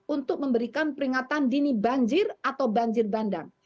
untuk memberikan peringatan dini banjir atau banjir bandang